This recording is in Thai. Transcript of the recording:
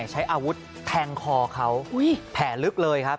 ใช้อาวุธแทงคอเขาแผลลึกเลยครับ